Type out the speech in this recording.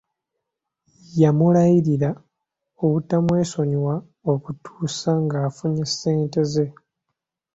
Yamulayirira obutamwesonyiwa okutuusa ng'afunye ssente ze.